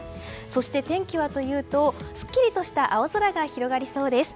そして天気はというとすっきりとした青空が広がりそうです。